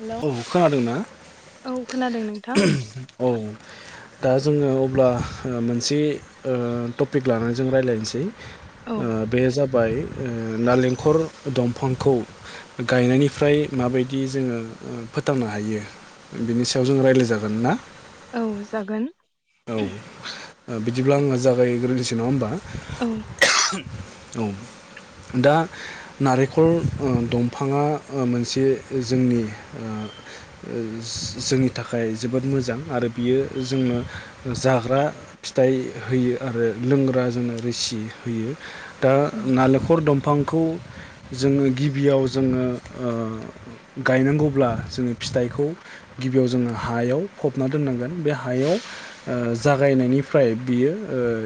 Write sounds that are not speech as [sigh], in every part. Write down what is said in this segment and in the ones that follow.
Hello औ खोनादों ना औ खोनादों नोंथां [unintelligible] औ दा जोङो अब्ला ओ मोनसे ओ टपिक लानानै जों रायलायनोसै औ ओ बे जाबाय ओ नालेंखर दंफांखौ गायनायनिफ्राय माबाय दि जोङो फोथांनो हायो बिनि सायाव जों रायलाय जागोन ना? औ जागोन। औ ओब बिदिब्ला आङो जागाय ग्रोनोसै नङा होमबा? औ औ दा नारेंखल दंफाङा मोनसे जोंनि जोंनि थाखाय जोबोद मोजां आरो बियो जोंनो जाग्रा फिथाइ होयो आरो लोंग्रा जोंनो रोसि होयो। दा औ नालेंखर दं फांखौ जोङो गिबियाव जोङो ओ गायनांगौब्ला जोङो फिथाइखौ गिबियाव जोङो हायाव फबना दोननांगोन बे हायाव ओ जागायनायनिफ्राय बियो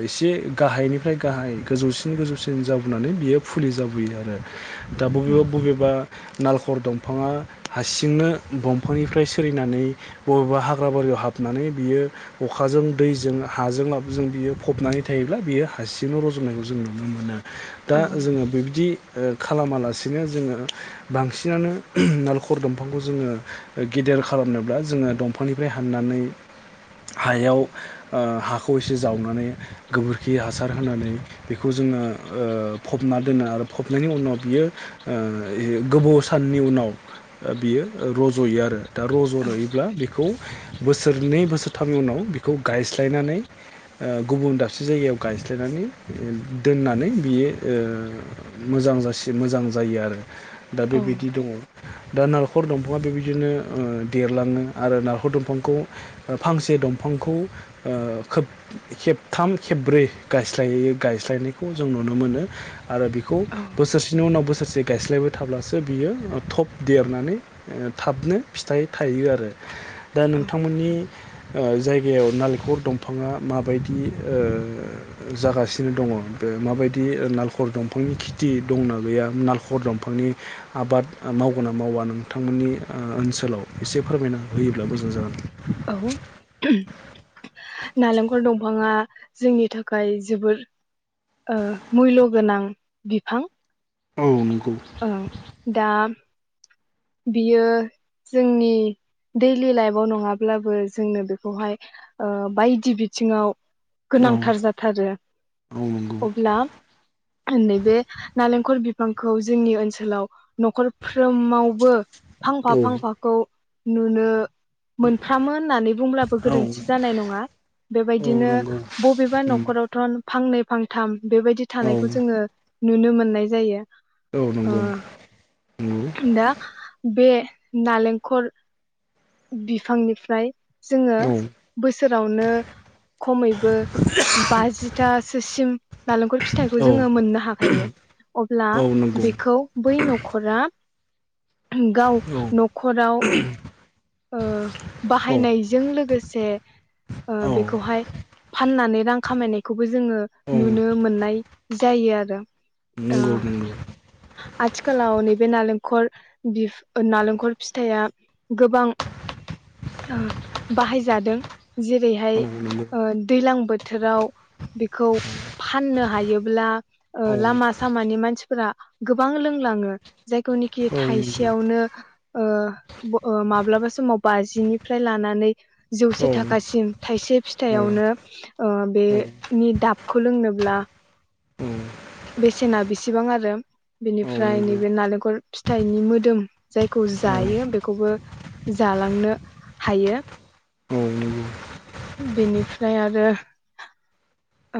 एसे गाहायनिफ्राय गाहाय गोजौसिन गोजौसिन जाबोनानै बियो फुलि जाबोयो आरो दा औ बबेबा बबेबा नालेखर दंफाङा हारसिंनो दंफांनिफ्राय सिरिनानै बबेबा हाग्रा बारियाव हाबनानै बियो अखाजों दैजों हाजों लाबजों बियो फबनानै थायोब्ला बियो हारसिंनो रज'नायखौ जों नुनो मोनो। दा जोङो बेबायदि ओ खालामालासिनो जोङो बांसिनानो नालेखर दंफांखौ जोङो गेदेर खालामनोब्ला जोङो दंफांनिफ्राय हाननानै हायाव ओ हाखौ एसे जावनानै गोबोरखि हासार होनानै बेखौ जोङो ओ फबना दोनो आरो फबनायनि उनाव बियो ओ गोबौ साननि उनाव बियो रज'यो आरो दा रज'योब्ला बेखौ बोसोरनै बोसोर थामनि उनाव बिखौ गायस्लायनानै ओ गुबुन दाबसे जायगायाव गायस्लायनानै दोननानै बियो ओ मोजां जासि मोजां जायो आरो। दा औ बेबायदि दङ। दा नालेंखर दंफाङा बेबायदिनो देरलाङो आरो नालखर दंफांखौ फांसे दंफांखौ ओ खोब खेबथाम खेबब्रै गायस्लाय गायस्लायनायखौ जों नुनो मोनो। आरो बेखौ बोसोरसेनि उनाव बोसोरसे जे गायस्लायबाय थाब्लासो बियो थब देरनानै थाबनो फिथाइ थायो आरो दा औ नोंथांमोननि ओ जायगायाव नालेखर दंफाङा माबायदि ओ जागासिनो दङ बे माबायदि नालेखर दंफांनि खेथि दंना गैया नालेखर दंफांनि आबाद मावगोन ना मावा नोंथांमोननि ओ ओनसोलाव एसे फोरमायना होयोब्ला मोजां जागोन औ नालेंखर दंफाङा जोंनि थाखाय जोबोर ओ मुल्य गोनां बिफां। औ नोंगौ। ओं दा बियो जोंनि दैयलि लाइफआव नङाब्लाबो जोंनो बेखौहाय ओ बायदि बिथिङाव औ गोनांथार जाथारो अब्ला नैबे नालेंखर बिफांखौ जोंनि ओनसोलाव न'खरफ्रोमावबो फांफा औ नंगौ औ फांफाखौ नुनो मोनफ्रामो होननानै बुंब्लाबो गोरोन्थि जानाय नङा औ बेबायदिनो नंगौ बबेबा उम न'खरावथ' फांनै फांथाम बेबायदि औ थानायखौ जोङो नुनो मोननाय जायो। औ ओ नंगौ नंगौ दा बे नालेंखर बिफांनिफ्राय जोङो औ बोसोरावनो खमैबो बाजिथासोसिम नालेंखर फिथाइखौ जोङो मोननो हागोन हायो अब्ला औ नंगौ बेखौ बै न' खरा गाव औ न'खराव ओ औ बाहायनायजों लोगोसे जे ओ औ बेखौहाय फाननानै रां खामायनायखौबो जोङो औ नुनो मोननाय जायो आरो ओ नंगौ नंगौ आथिखालाव नैबे नालेंखर बिफ नालेंखर फिथाइआ गोबां ओ बाहायजादों जेरैहाय औ नंगौ ओ दैलां बोथोराव बेखौ फाननो हायोब्ला औ ओ लामा सामानि मानसिफोरा गोबां लोंलाङो जायखौनिखि नंगौ थाइसेयावनो ओ ओ माब्लाबा समाव बाजिनिफ्राय लानानै औ जौसे थाखासिम थायसे फिथाइयावनो औ ओ बेनि दाबखौ लोंनोब्ला औ बेसेना बेसेबां आरो औ बेनिफ्राय नंगौ नैबे नालेंखल फिथाइनि मोदोम जायखौ औ जायो बेखौबो जालांनो हायो औ नंगौ बेनिफ्राय आरो ओ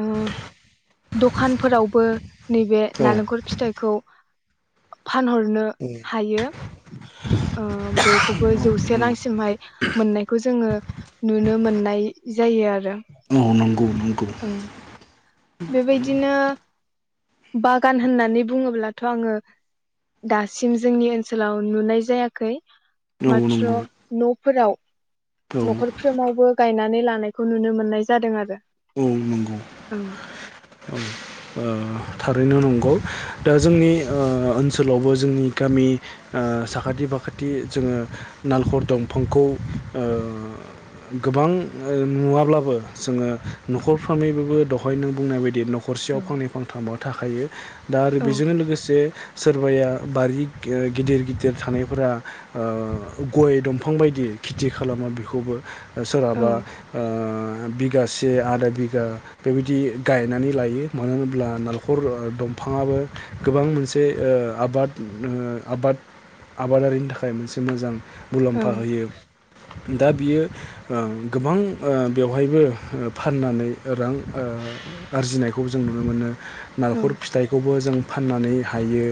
दखानफोरावबो नैबे औ नालेंखर फिथाइखौ फानहरनो हायो ओ बेखौबो जौसे रांसिमहाय मोननायखौ जोङो नुनो मोननाय जायो आरो ‌। औ नंगौ नंगौ ओं। बेबायदिनो बागान होननानै बुङोब्लाथ' आङो दासिम जोंनि ओनसोलाव नुनाय जायाखै। औ मात्र नंगौ न'फोराव औ न'खरफ्रोमावबो गायनानै लानायखौ नुनो मोननाय जादों आरो। औ नंगौ ओ थारैनो नंगौ दा जोंनि ओ ओनसोलावबो जोंनि गामि ओ साखाथि फाखाथि जोङो नालेखर दंफांखौ ओ गोबां नुवाब्लाबो जोङो न'खरफ्रामैबाबो दहाय नों बुंनाय बायदि न खरसेयाव औ फांनै फां थाखायो दा आरो बेजोंनो औ लोगोसे सोरबाया बारि गिदिर गिदिर थानायफोरा ओ गय दंफां बायदि खेथि खालामो बेखौबो सोरहाबा औ ओ बिगासे आधा बिगा बेबायदि गायनानै लायो मानो होनब्ला नालेखर दंफाङाबो गोबां मोनसे आबाद आबाद आबादारिनि थाखाय मोनसे मोजां मुलाम्फा होयो। दा बियो गोबां बेवहायबो फाननानै रां ओ आरजिनायखौ जों नुनो मोनो। ओं नालेखर फिथाइखौबो जो जों फाननानै हायो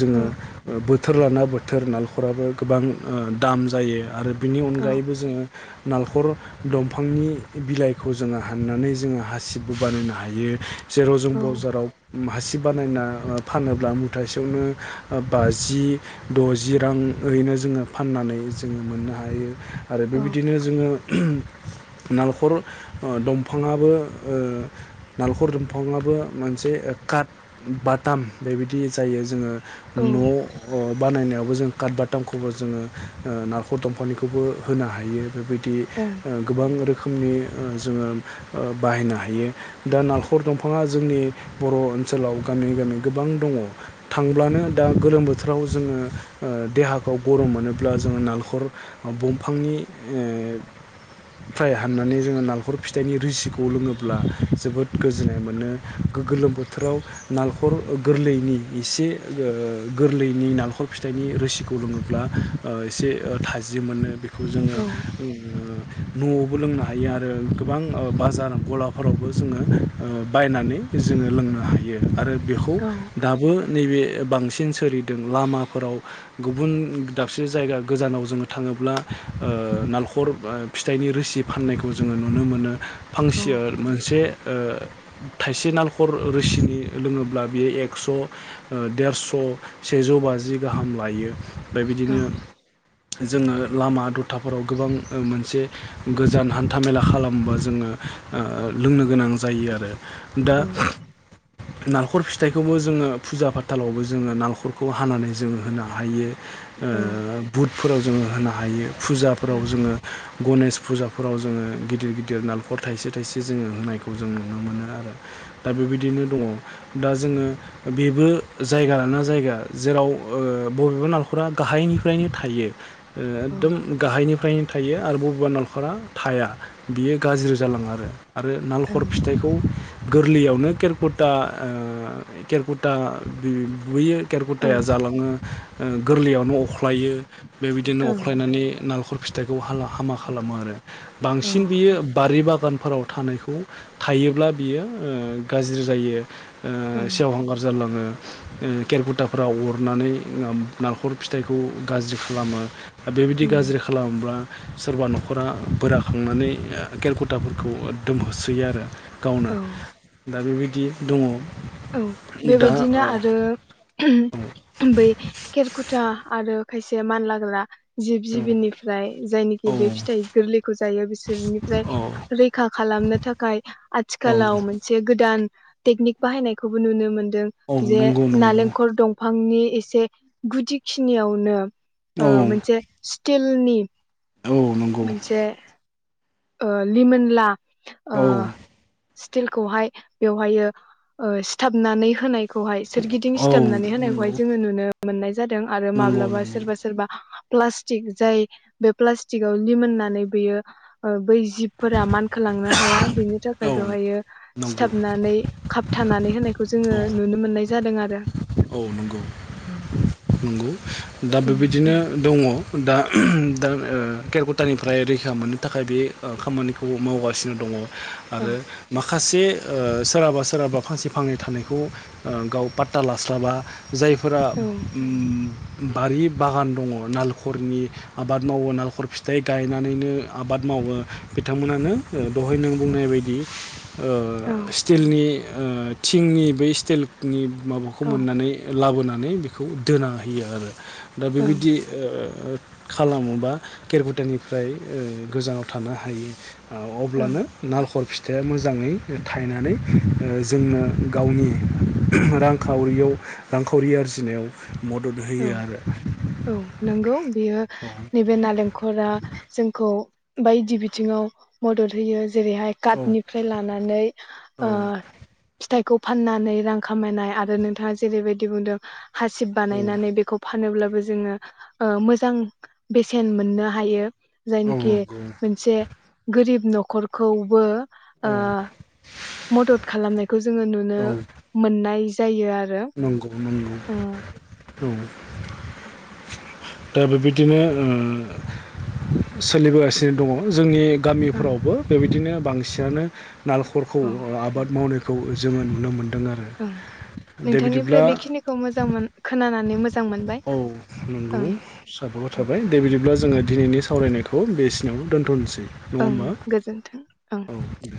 जोंङो औ ओ बोथोर लाना बोथोर नालेखराबो गोबां दाम जायो आरो बिनि औ अनगायैबो जोङो नालेखर दंफांनि बिलाइखौ जोंङो हाननानै जोंङो हासिबबो बानायनो हायो जेर औ बजाराव माहासि बानायना फानोब्ला मुथासेयावनो बाजि दजि रां ओरैनो जोङो फाननानै जोङो मोननो हायो। आरो औ बेबायदिनो जोङो नालेखर दंफाङाबो ओ नालखर दंफाङाबो मोनसे काट बटाम बेबायदि जायो जोङो औ न' ओ बानायनायावबो जों काटबा दामखौबो जोङो नाखर दंफांनिखौबो होनो हायो बेबायदि दि ओं गोबां रोखोमनि जोङो ओ बाहायनो हायो दा नालेखर दंफाङा जो जोंनि बर' ओनसोलाव गानै गानै गोबां दङ थांब्लानो दा गोलोम बोथोराव जोङो देहाखौ गरम मोनोब्ला जोङो नालखर दंफांनिफ्रायाय हाननानै जोङो नालखर फिथाइनि रिसिखौ लोङोब्ला जोबोद गोजोननाय मोनो गोलोम बोथोराव नालखर गोरलैनि एसे गोरलैनि नालखर फिथाइनि रोसिखौ लोङोब्ला एसे थाजिम मोनो बे खौ जोङो औ ओ न'आवबो लोंनो हायो आरो गोबां बाजार गलाफोरावबो जोङो ओ बायनानै जोङो लोंनो हायो आरो। बेखौ दाबो नैबे बांसिन सोलिदों लामाफोराव गुबुन दाबसे जायगा गोजानाव जोङो थाङोब्ला नालखर फिथाइनि रोसि फाननायखौ जोङो नुनो मोनो औ फांसियार मोनसे ओ [inaudible] थाइसे नालखर रोसिनि लोङोब्ला बियो एक्स' देरस' सेजौ बाजि गाहाम लायो ओमफ्राय बिदिनो औ जोङो लामा दथाफोराव गोबां मोनसे गोजान हान्था मेला खालामोबा जोङो लोंनो गोनां जायो आरो। दा औ नालखर फि फिथाइखौबो जोङो फुजा फाथालावबो जोङो नालखरखौ हानानै जोङो होनो हायो। ओ औ बुटफोराव जोङो होना हायो। फुजाफोराव आं जोङो गनेश फुजाफोराव जोङो गिदिर गिदिर नालखर थाइसे थाइसे जोङो होनायखौ जों नुनो मोनो। आरो दा बेबायदिनो दङ' दा जोङो बेबो जायगा लाना जायगा जेराव ओ बबेबा नालखरा गाहायनिफ्रायनो थायो। ओ औ एकदम गाहायनिफ्रायनो थायो आरो बबेबा नालखरा थाया बियो गाज्रि जालाङो आरो। आरो औ नालखर फिथाइखौ। गोरलैयावनो केेरकुटा ओ केेरकुटा बि‌ बुयो। औ केेरकुटाया ओं जालाङो। गोरलैयावनो‌ अख्लायो। बेबायदिनो औ अख्लायनानै नालेंखर फिथ फिथाइखौ हाला हामा खालामो आरो। बांसिन ओं बियो बारि बाग बागानफोराव थानायखौ थायोब्ला बियो ओ गाज्रि जायो। ओ‌ सेवहांगार जालाङो। उम केेरकुटाफोरा अरनानै नालखर फिथाइखौ गाज्रि खालामो। आरो बेबायदि उम गाज्रि खालामोब्ला सोरबा न'खरा बोराखांनानै केेरकुटाफोरखौ एकदोम होसोयो आरो। गावनो। औ दा बेबायदि बिदि दङ' औ दा बेबायदिनो आरो [unintelligible] बै खेरखुथा आरो खायसे मानलाग्रा जिब ओ जिबिनिफ्राय जायनिखि बे फिथाइ गोरलैखौ जायो बिसोरनिफ्राय औ रैखा खालामनो थाखाय औ आथिखालाव मोनसे गोदान टेकनिक बाहायनाय खौबो नुनो मोन नों औ जे नंगौ नंगौ नालेंखर दंफांनि एसे गुदि खिनियावनो औ ओ मोनसे सित टिलनि औ नंगौ मोनसे ओ लिमोनला ओ औ स्टिलखौहाय बेवहायो ओ सिथाबनानै होनाय खौहाय सोरगिदिं औ सिथाबनानै नंगौ होनायखौहाय जोङो नुनो मोन्नाय जादों आरो नंगौ माब्लाबा सोरबा नंगौ सोरबा प्लास्टिक जाय बे प्लास लिगाव लिमोनानै बेयो ओ बै जिब फोरा खोलांनो हाया बेनि थाखाय औ बेवहायो नंगौ सिथाबनानै खाबथानानै होनायखौ जोङो औ नुनो मोननाय जादों आरो औ नंगौ उम नंगौ दा बेबायदिनो दङ। दा दा केेरकुटानिफ्राय रैखा मोननो थाखाय बे ओ खामानिखौ मावगासिनो दङ औ आरो माखासे खासे सोरहाबा सोरहाबा फांसे फांनै थानायखौ ओ गाव पाता ला [unintelligible] जायफोरा औ बारि बागान दङ नारेंखलनि आबाद मावो नारेंखल फिथाइ गायनानैनो आबाद मावो बिथांमोनानो दहाय नों बुंनाय बायदि औ ओ स्टिलनि ओ थिंनि बे स्टाइलनि माबा खौ मोननानै लाबोनांगौ मे बेखौ दोना होयो आरो दा ओं बेबायदि ओ खालामोबा केेरपुटानिफ्रायल ओ गोजानाव थानो हायो ओ ओं अब्लानो नालखर फिथाइा ओ मोजाङै थायनानै जोंनो गावनि रां रांखावरियाव रांखावरि आरजिनायाव मदद औ होयो आरो औ नंगौ बियो नैबे नालेंखरा जोंखौ बायदि बिथिङाव मदद होयो जेरैहाय औ काटनिफ्राय लानानै औ फिथाइ खौ फाननानै रां खामायनायनि आरो नोंथाङा जेरैबादि बुंदों बेखौ फानोब्ला जोङो मोजां बेसेन मोननो हायो औ जायनिखि मोनसे गोरिब न'खर नखरखौबो ओ औ मदद खालामनायखौ जोङो नुनो औ मोननाय जायो आरो नंगौ नंगौ ओ औ दा बेबायदिनो सोलिबोगासिनो दङ जोंनि ओं गामिफ्रावबो बेबायदिनो बांसिनानो नालेखरखौ औ आबाद मावनाय खौ जोङो नुनो मोन दों आरो। ओं दे बिदिब्ला नोंथांनिफ्राय बेखिनिखौ मोजां मोन खोना नानै मो औ नंगौ साबायखर थाबाय दे बिदिब्ला जोङो दिनैनि सावरायनायख खौ बेखिनियाव दोन्थ'नोसै। ओं गोजोन्थों ओं दे।